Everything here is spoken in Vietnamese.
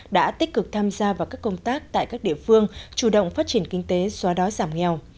đã tích cực tham gia vào các công tác tại các địa phương chủ động phát triển kinh tế xóa đói giảm nghèo